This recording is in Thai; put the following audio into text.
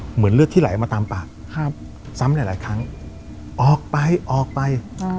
เหมือนเลือดที่ไหลมาตามปากซ้ำหลายครั้งออกไปออกไป